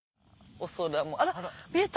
お空もあら見えた！